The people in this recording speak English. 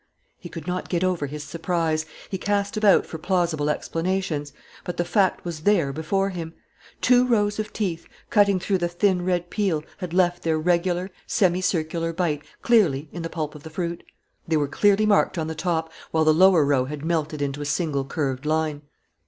He could not get over his surprise. He cast about for plausible explanations. But the fact was there before him. Two rows of teeth, cutting through the thin red peel, had left their regular, semicircular bite clearly in the pulp of the fruit. They were clearly marked on the top, while the lower row had melted into a single curved line.